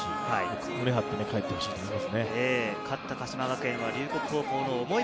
胸を張って帰ってほしいと思います。